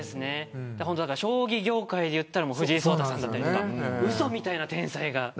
将棋業界でいったら藤井聡太さんとかうそみたいな天才が。